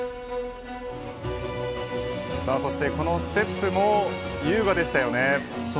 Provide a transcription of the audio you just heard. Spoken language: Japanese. そしてこのステップも優雅でしたよね。